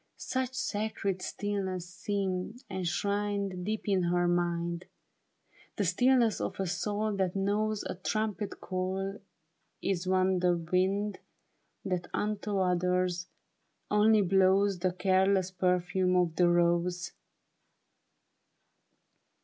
Such sacred stillness seemed enshrined Deep in her mind ; The stillness of a soul that knows A trumpet call is on the wind That unto others, only blows The careless perfume of the rose.